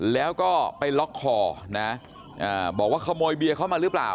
แล้วก็ไปล็อกคอนะบอกว่าขโมยเบียร์เข้ามาหรือเปล่า